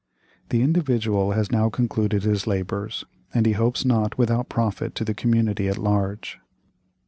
The "Individual" has now concluded his labors, and he hopes not without profit to the community at large.